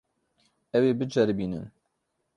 Ew ê biceribînin.